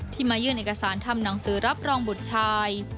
มายื่นเอกสารทำหนังสือรับรองบุตรชาย